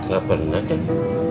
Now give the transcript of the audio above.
gak pernah ceng